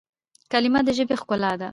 کلیمه د ژبي ښکلا ده.